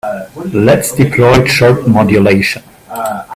Let's deploy chirp modulation.